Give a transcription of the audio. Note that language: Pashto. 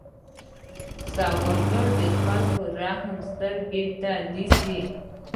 سوالګر د خلکو رحم ته سترګې نیسي